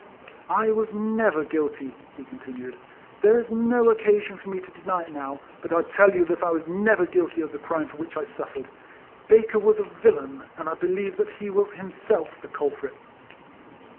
"I was never guilty," he continued. " There is no occasion for me to deny it now ; but I tell you that I was never guilty of the crime for which I suffered. Baker was a villain, and I believe that he was himself the culprit."